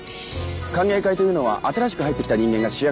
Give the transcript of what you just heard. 歓迎会というのは新しく入ってきた人間が主役のはずです。